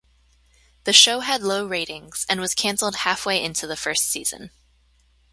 The show had low ratings and was canceled halfway into the first season.